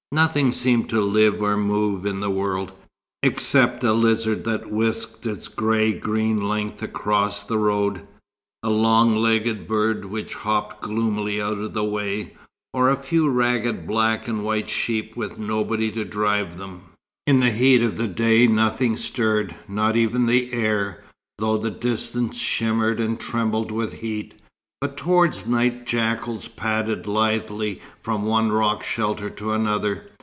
Nothing seemed to live or move in this world, except a lizard that whisked its grey green length across the road, a long legged bird which hopped gloomily out of the way, or a few ragged black and white sheep with nobody to drive them. In the heat of the day nothing stirred, not even the air, though the distance shimmered and trembled with heat; but towards night jackals padded lithely from one rock shelter to another.